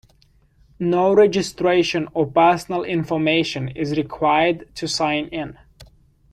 No registration or personal information is required to sign in.